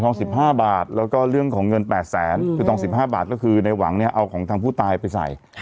๑๕บาทแล้วก็เรื่องของเงิน๘แสนคือทอง๑๕บาทก็คือในหวังเนี่ยเอาของทางผู้ตายไปใส่